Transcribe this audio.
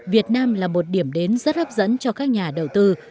việt nam là một điểm đến rất hấp dẫn cho các nhà đầu tư